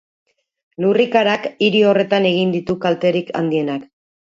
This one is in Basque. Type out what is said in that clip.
Lurrikarak hiri horretan egin ditu kalterik handienak.